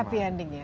ini happy ending ya